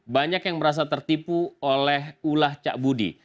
banyak yang merasa tertipu oleh ulah cak budi